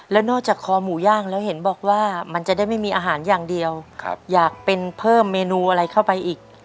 แล้วนอกจากคอหมูย่างแล้วเห็นบอกว่ามันจะได้ไม่มีอาหารอย่างเดียวอยากเป็นเพิ่มเมนูอะไรเข้าไปอีก